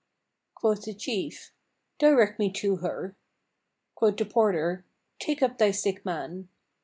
Quoth the chief, "Direct me to her;" quoth the porter, "Take up thy sick man."